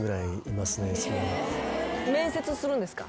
面接するんですか？